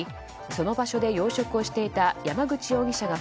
その場所で養殖をしていた山口容疑者が